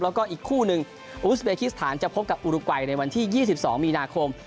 แล้วก็อีกคู่หนึ่งอูสเบคิสถานจะพบกับอุรกัยในวันที่๒๒มีนาคม